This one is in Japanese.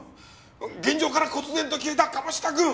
現場から忽然と消えた鴨志田君！